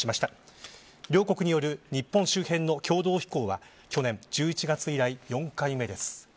両国による日本周辺の共同飛行は去年１１月以来、４回目です。